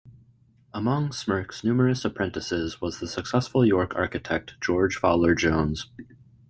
Among Smirke's numerous apprentices was the successful York architect George Fowler Jones.